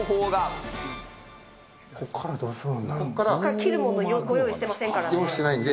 切るものご用意してませんからね。